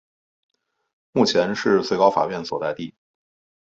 目前是最高法院所在地。